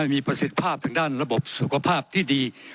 มีประสิทธิภาพทางด้านระบบสุขภาพที่ดี